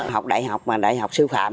học đại học đại học siêu phạm